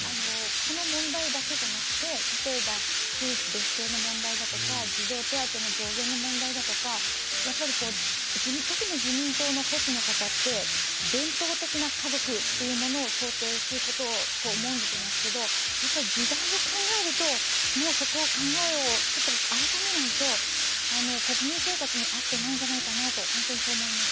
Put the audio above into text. この問題だけじゃなくて、例えば夫婦別姓の問題だとか児童手当の上限の問題だとか特に自民党の保守の方って伝統的な家族を想定することを重んじていますけれども、時代を考えるともうそこは考えを改めないと国民生活に合っていないんじゃないかなと、本当にそう思います。